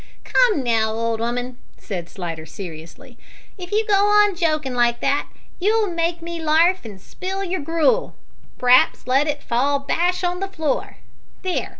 "Come now, old 'ooman," said Slidder seriously, "if you go on jokin' like that you'll make me larf and spill your gruel p'raps let it fall bash on the floor. There!